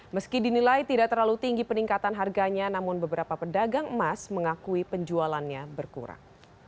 meski dinilai tidak terlalu tinggi peningkatan harganya namun beberapa pedagang emas mengakui penjualannya berkurang